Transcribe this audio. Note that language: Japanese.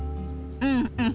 うんうん。